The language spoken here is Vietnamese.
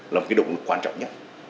là một cái động lực quan trọng nhất